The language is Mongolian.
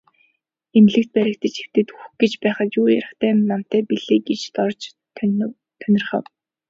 Эмнэлэгт баригдаж хэвтээд үхэх гэж байхад юу ярихтай мантай билээ гэж Дорж тунирхав.